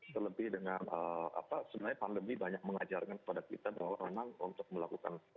terlebih dengan apa sebenarnya pandemi banyak mengajarkan kepada kita bahwa memang untuk melakukan